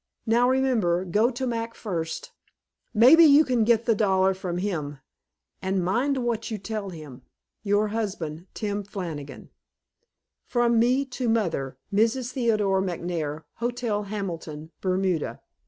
Now remember, go to Mac first; maybe you can get the dollar from him, and mind what you tell him. Your husband, Tim Flannigan FROM ME TO MOTHER MRS. THEODORE McNAIR, HOTEL HAMILTON, BERMUDA.